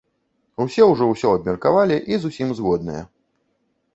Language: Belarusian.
Усе ўжо ўсё абмеркавалі і з усім згодныя.